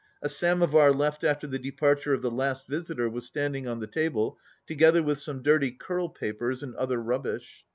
A samovar left after the departure of the last visitor was standing on the table, together with some dirty curl papers and other rubbish.